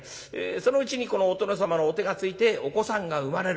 そのうちにお殿様のお手がついてお子さんが生まれる。